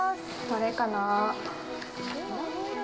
これかな？